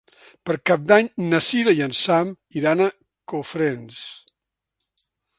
Per Cap d'Any na Cira i en Sam iran a Cofrents.